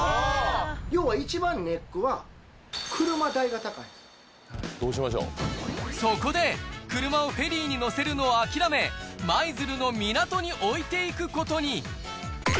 要は一番のネックは、そこで、車をフェリーに載せるのを諦め、舞鶴の港に置いていくことに。